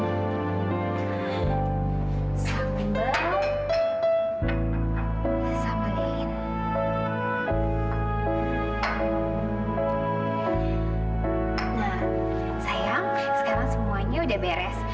nah sambil sekarang semuanya udah beres